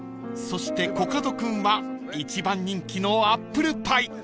［そしてコカド君は１番人気のアップルパイ］